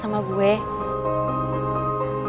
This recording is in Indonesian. sangat besar lo